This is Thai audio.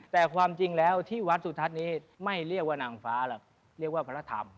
แต่ความจริงแล้วที่วัดสุทัศน์นี้ไม่เรียกว่านางฟ้าหรอกเรียกว่าพระธรรม